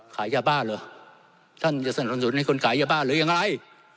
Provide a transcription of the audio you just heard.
ขายยาบ้าเหรอท่านจะสนับสนุนให้คนขายยาบ้าหรือยังไร